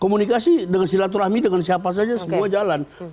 komunikasi dengan silaturahmi dengan siapa saja semua jalan